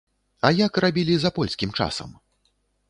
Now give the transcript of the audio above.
А як рабілі за польскім часам?